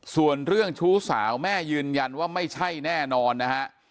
ส่วนเรื่องชู้สาวแม่ยืนยันว่าไม่ใช่แน่นอนนะฮะ